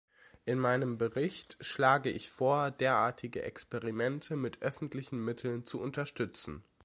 In meinem Bericht schlage ich vor, derartige Experimente mit öffentlichen Mitteln zu unterstützen.